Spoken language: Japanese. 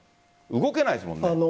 動けないですもんね。